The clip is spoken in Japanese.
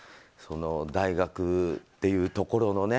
大学というところのね。